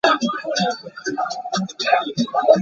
They are able to simulate a system or to solve problems.